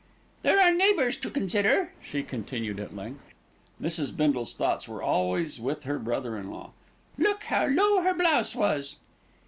"There are the neighbours to consider," she continued at length. Mrs. Bindle's thoughts were always with her brother in law. "Look how low her blouse was."